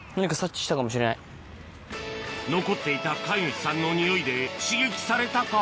残っていた飼い主さんのニオイで刺激されたか？